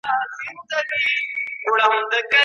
ږغ ده محترم ناشناس صاحب